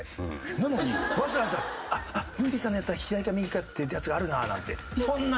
なのにわざわざあっムーディーさんのやつは「左か右か」ってやつがあるななんてそんなね。